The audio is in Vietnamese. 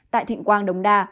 tại thịnh quang đống đà